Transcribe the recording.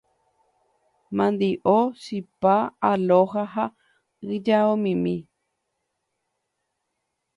Mandi'o, chipa, aloha ha ijaomimi.